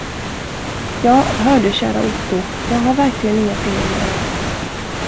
Ja, hör du kära Otto, jag har verkligen inga pengar mera.